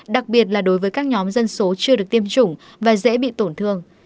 đặc biệt là đối với các nhóm dân số chưa được tiêm chủng và dễ bị tổn thương